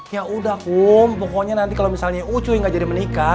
ya udah kum pokoknya nanti kalau misalnya ucu yang gak jadi menikah